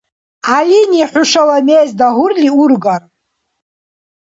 Гӏялини хӏушала мез дагьурли ургар.